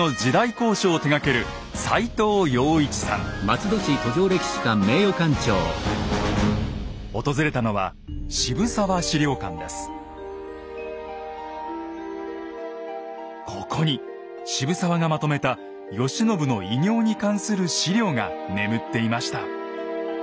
考証を手がける訪れたのはここに渋沢がまとめた慶喜の偉業に関する史料が眠っていました。